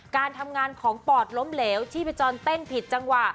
การทำงานของปอดล้มเหลวที่ผจรเต้นผิดจังหวะ